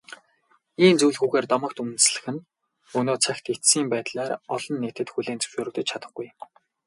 Ийм зүйлгүйгээр домогт үндэслэх нь өнөө цагт эцсийн байдлаар олон нийтэд хүлээн зөвшөөрөгдөж чадахгүй.